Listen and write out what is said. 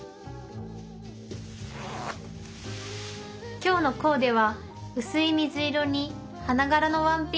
今日のコーデは薄い水色に花柄のワンピース。